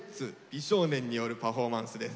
美少年によるパフォーマンスです。